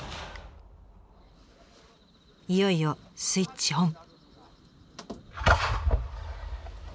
いよいよスイッチオン！